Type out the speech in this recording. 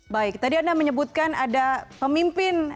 baik tadi anda menyebutkan ada pemimpin